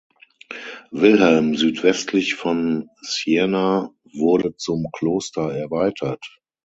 Wilhelm südwestlich von Siena wurde zum Kloster erweitert.